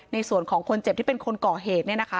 ในส่วนของคนเจ็บที่เป็นคนก่อเหตุ